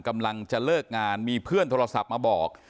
กำลังจะเลิกงานมีเพื่อนโทรศัพท์มาบอก